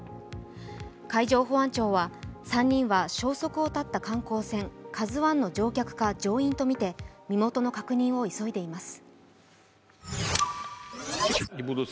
海上保安庁は３人は消息を絶った観光船「ＫＡＺＵⅠ」の乗客か乗員とみて身元の確認を急いでいます。